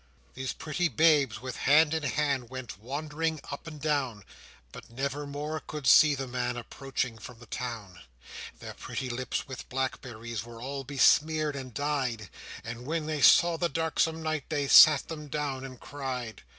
These pretty babes, with hand in hand, Went wandering up and down; But never more could see the man Approaching from the town. Their pretty lips with blackberries Were all besmeared and dyed; And when they saw the darksome night, They sat them down and cried.